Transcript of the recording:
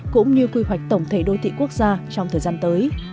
cũng như quy hoạch tổng thể đô thị quốc gia trong thời gian tới